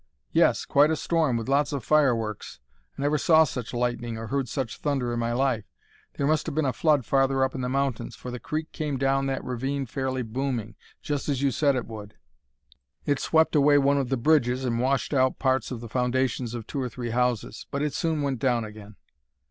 "Yes; quite a storm, with lots of fireworks; I never saw such lightning or heard such thunder in my life. There must have been a flood farther up in the mountains, for the creek came down that ravine fairly booming, just as you said it would. It swept away one of the bridges and washed out parts of the foundations of two or three houses. But it soon went down again."